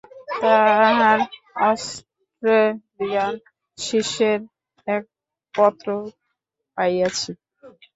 তাঁহার অষ্ট্রেলিয়ান শিষ্যেরও এক পত্র পাইয়াছি।